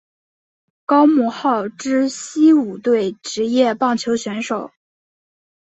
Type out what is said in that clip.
高木浩之西武队职业棒球选手。